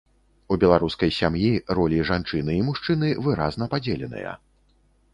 У беларускай сям'і ролі жанчыны і мужчыны выразна падзеленыя.